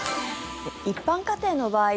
一般家庭の場合